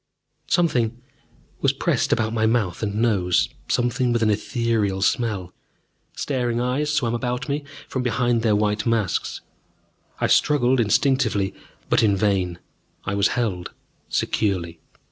Something was pressed about my mouth and nose, something with an ethereal smell. Staring eyes swam about me from behind their white masks. I struggled instinctively, but in vain I was held securely.